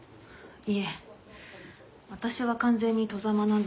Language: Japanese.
いえ私は完全に外様なんです。